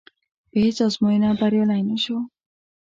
په هېڅ ازموینه بریالی نه شو.